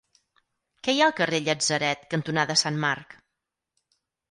Què hi ha al carrer Llatzeret cantonada Sant Marc?